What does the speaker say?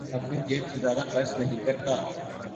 اپنی جیب سے زیادہ خرچ نہیں کرتا